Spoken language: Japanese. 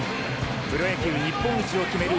プロ野球日本一を決める